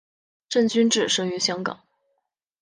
郑君炽生于香港。